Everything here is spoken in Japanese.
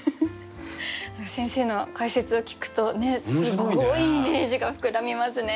先生の解説を聞くとすごいイメージが膨らみますね。